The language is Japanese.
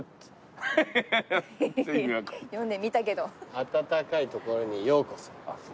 「暖かいところにようこそ」